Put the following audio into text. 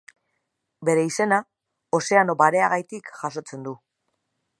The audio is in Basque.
Bere izena, Ozeano Bareagatik jasotzen du.